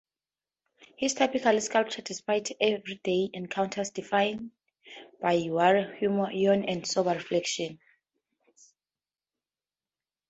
His typical sculpture depicts everyday encounters defined by wry humor, irony, and sober reflection.